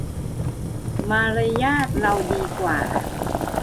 มารยาทเราดีกว่า